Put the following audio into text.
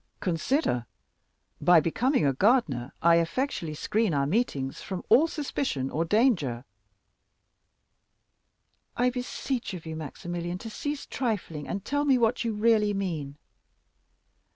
Consider, by becoming a gardener I effectually screen our meetings from all suspicion or danger." 30053m "I beseech of you, Maximilian, to cease trifling, and tell me what you really mean."